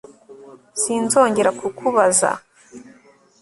Sinzongera kukubaza